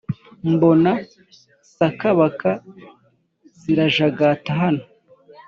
Mbona sakabaka zirajagata hano